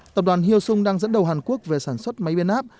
tập đoàn hyo sung đang dẫn đầu hàn quốc về sản xuất máy biến áp